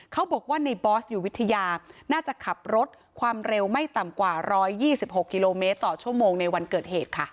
เขาบอกว่าในบอสอยู่วิทยาน่าจะขับรถความเร็วไม่ต่ำกว่า๑๒๖กิโลเมตรต่อชั่วโมงในวันเกิดเหตุค่ะ